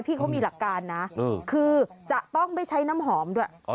พี่เขามีหลักการนะคือจะต้องไม่ใช้น้ำหอมด้วย